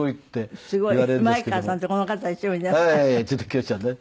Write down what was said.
ちょっと清ちゃんね。